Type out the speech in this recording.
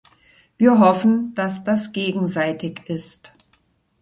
Wir hoffen, dass das gegenseitig ist.